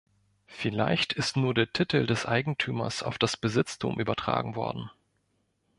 Vielleicht ist nur der Titel des Eigentümers auf das Besitztum übertragen worden.